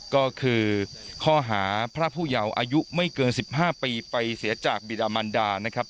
ก็คือข้อหาพระผู้เยาว์อายุไม่เกิน๑๕ปีไปเสียจากบิดามันดานะครับ